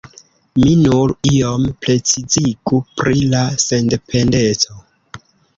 Mi nur iom precizigu pri la sendependeco.